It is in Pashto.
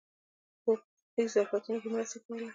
په حقوقي ظرافتونو کې یې مرسته کوله.